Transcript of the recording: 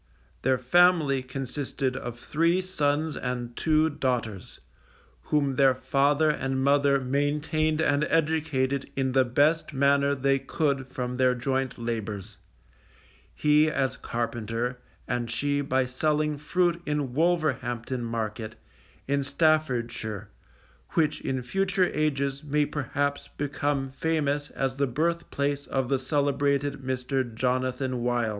Their family consisted of three sons and two daughters, whom their father and mother maintained and educated in the best manner they could from their joint labours, he as carpenter, and she by selling fruit in Wolverhampton market, in Staffordshire, which in future ages may perhaps become famous as the birth place of the celebrated Mr. Jonathan Wild.